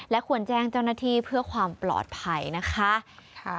ควรแจ้งเจ้าหน้าที่เพื่อความปลอดภัยนะคะ